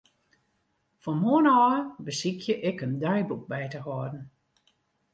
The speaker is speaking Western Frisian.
Fan moarn ôf besykje ik in deiboek by te hâlden.